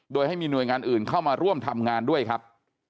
โดยให้มีหน่วยงานอื่นเข้ามาร่วมทำงานด้วยครับ